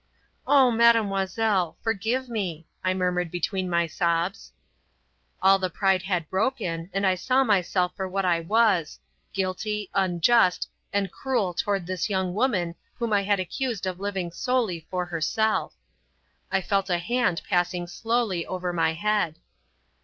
"Oh, Mademoiselle ... forgive me," I murmured between by sobs. All my pride had broken and I saw myself for what I was, guilty, unjust and cruel toward this young woman whom I had accused of living solely for herself. I felt a hand passing slowly over my head.